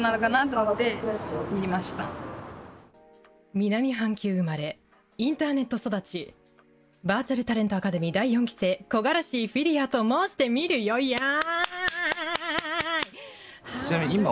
「南半球生まれインターネット育ちバーチャル・タレント・アカデミー第４期生凩フィリアと申してみるよいやぁ」。